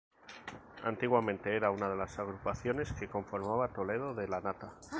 Antiguamente era una de las agrupaciones que conformaba Toledo de Lanata.